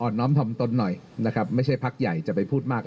น้อมถ่อมตนหน่อยนะครับไม่ใช่พักใหญ่จะไปพูดมาก